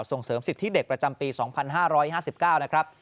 ส่งเสริมสิทธิเด็กประจำปี๒๕๕๙นะครับ